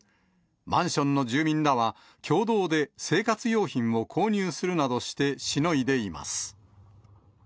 マンションの住民らは、共同で生活用品を購入するなどしてしのいでいます。